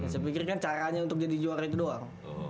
saya mikirin caranya untuk jadi juara itu doang